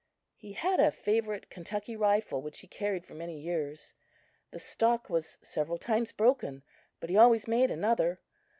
He had a favorite Kentucky rifle which he carried for many years. The stock was several times broken, but he always made another.